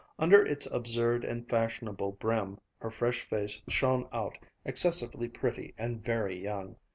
Under its absurd and fashionable brim, her fresh face shone out, excessively pretty and very young.